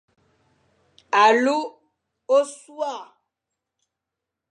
Alu ôsua.